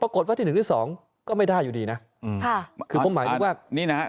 ปรากฏว่าที่หนึ่งที่สองก็ไม่ได้อยู่ดีนะอืมค่ะคือผมหมายถึงว่านี่นะฮะ